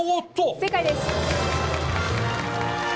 正解です。